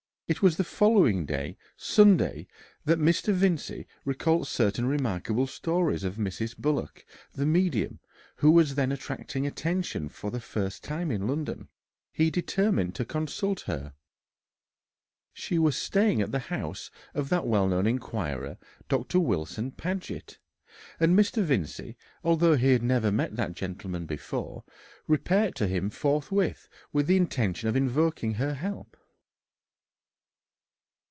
It was on the following day, Sunday, that Mr. Vincey recalled certain remarkable stories of Mrs. Bullock, the medium, who was then attracting attention for the first time in London. He determined to consult her. She was staying at the house of that well known inquirer, Dr. Wilson Paget, and Mr. Vincey, although he had never met that gentleman before, repaired to him forthwith with the intention of invoking her help.